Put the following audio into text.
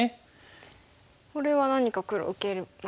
これは何か黒受けますか。